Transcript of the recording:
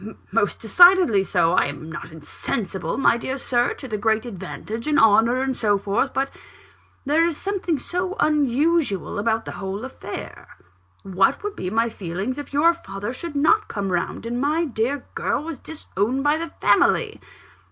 most decidedly so! I am not insensible, my dear Sir, to the great advantage, and honour, and so forth. But there is something so unusual about the whole affair. What would be my feelings, if your father should not come round, and my dear girl was disowned by the family?